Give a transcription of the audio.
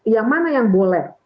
yang mana yang boleh